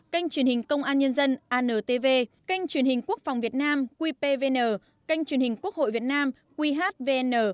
kênh truyền hình công an nhân dân antv kênh truyền hình quốc phòng việt nam qpvn kênh truyền hình quốc hội việt nam qhvn